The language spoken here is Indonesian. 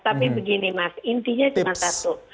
tapi begini mas intinya cuma satu